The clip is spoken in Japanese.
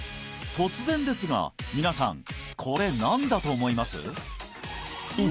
突然ですが皆さんこれ何だと思います？